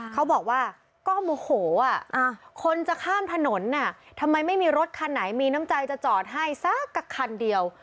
เขาบอกว่าก็โมโหคนจะข้ามถนนทำไมไม่มีรถคันไหนมีน้ำใจจะจอดให้สักคันเดียว